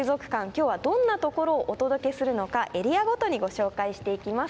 今日はどんな所をお届けするのかエリアごとにご紹介していきます。